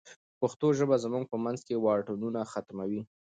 پښتو ژبه زموږ په منځ کې واټنونه ختموي.